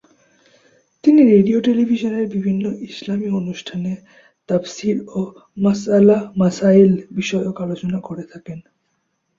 তিনি রেডিও-টেলিভিশনের বিভিন্ন ইসলামি অনুষ্ঠানে তাফসির ও মাসয়ালা-মাসায়েল বিষয়ক আলোচনা করে থাকেন।